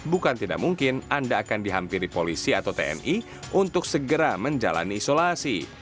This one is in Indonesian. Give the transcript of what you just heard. bukan tidak mungkin anda akan dihampiri polisi atau tni untuk segera menjalani isolasi